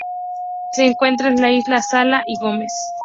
Se encuentra en la Isla Sala y Gómez.